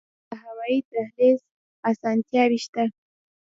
د هوایی دهلیز اسانتیاوې شته؟